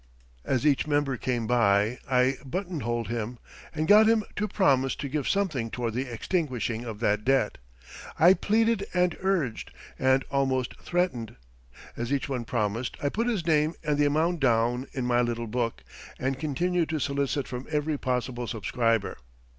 As each member came by I buttonholed him, and got him to promise to give something toward the extinguishing of that debt. I pleaded and urged, and almost threatened. As each one promised, I put his name and the amount down in my little book, and continued to solicit from every possible subscriber.